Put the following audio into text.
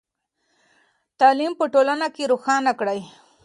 تعلیم به ټولنه روښانه کړئ.